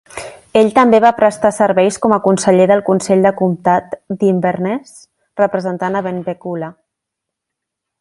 Ell també va prestar serveis com a conseller del Consell del Comtat d'Inverness, representant a Benbecula.